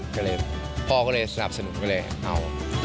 ก็เลยพ่อก็เลยสนับสนุนไปเลยเอา